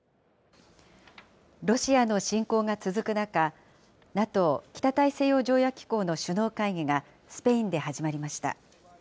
ロシアの侵攻が続く中、ＮＡＴＯ・北大西洋条約機構の首脳会議が、スペインで始まりました。